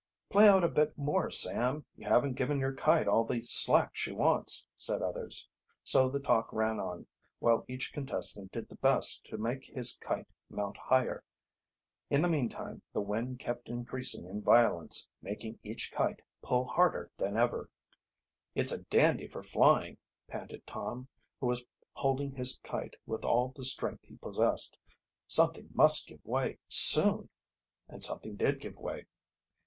"Play out a bit more, Sam; you haven't given your kite all the slack she wants," said others. So the talk ran on, while each contestant did the best to make his kite mount higher. In the meantime the wind kept increasing in violence, making each kite pull harder than ever. "It's a dandy for flying," panted Tom, who was holding his kite with all the strength he possessed. "Something must give way soon," and something did give way.